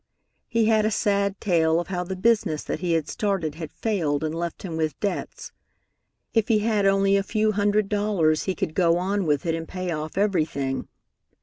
He had a sad tale of how the business that he had started had failed and left him with debts. If he had only a few hundred dollars, he could go on with it and pay off everything.